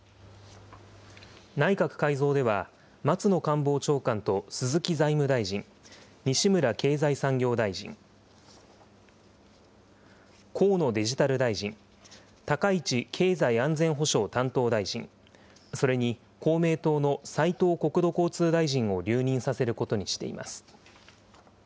内閣改造では、松野官房長官と鈴木財務大臣、西村経済産業大臣、河野デジタル大臣、高市経済安全保障担当大臣、それに公明党の斉藤国土交通大臣を留任させることにしています。